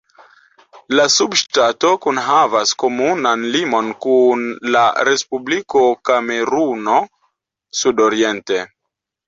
La subŝtato kunhavas komunan limon kun la Respubliko Kameruno sudoriente.